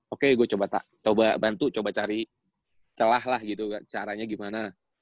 oke gua coba bantu coba cari celah lah gitu caranya gimana